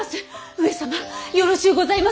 上様よろしうございますか。